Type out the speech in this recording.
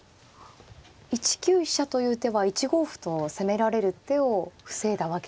１九飛車という手は１五歩と攻められる手を防いだわけですか。